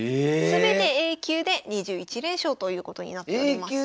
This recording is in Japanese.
すべてＡ級で２１連勝ということになっております。